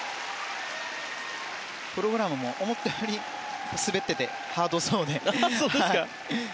プログラムも思ったより滑っていてハードそうで。